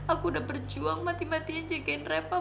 aku udah berjuang mati matinya jagain refah